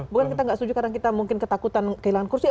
bukan kita nggak setuju karena kita mungkin ketakutan kehilangan kursi